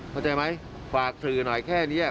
เข้าใจไหมฝากสื่อหน่อยแค่นี้